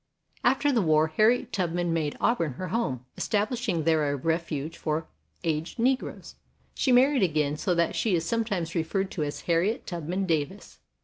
After the war Harriet Tubman made Auburn her home, establishing there a ref uge for aged Negroes. She married again, so that she is sometimes referred to as Harriet Tubman Davis.